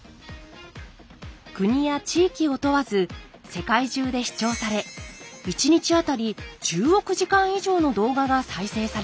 国や地域を問わず世界中で視聴され１日あたり１０億時間以上の動画が再生されています。